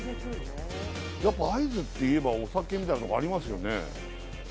やっぱ会津っていえばお酒みたいなとこありますよね